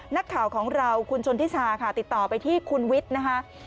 นักข่าวของเราคุณชนทิชาค่ะติดต่อไปที่คุณวิทย์นะคะ